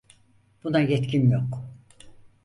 Buna yetkim yok.